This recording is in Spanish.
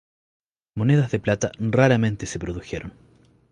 Monedas de plata raramente se produjeron.